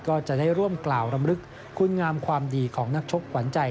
ก็จะได้ร่วมกล่าวรำลึกคุณงามความดีของนักชกขวัญใจ